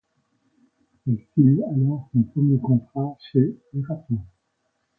Elle signe alors son premier contrat chez Erato.